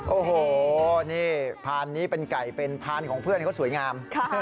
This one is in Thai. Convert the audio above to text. โอ้โหนี่พานนี้เป็นไก่เป็นพานของเพื่อนเขาสวยงาม